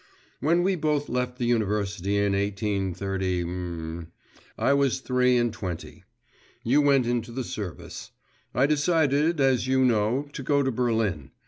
When we both left the university in 183 I was three and twenty. You went into the service; I decided, as you know, to go to Berlin.